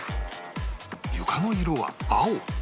床の色は青